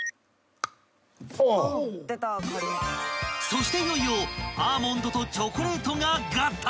［そしていよいよアーモンドとチョコレートが合体！］